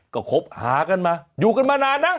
ก็คบหากันมาอยู่กันมานานนะ